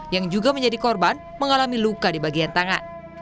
yang juga menjadi korban mengalami luka di bagian tangan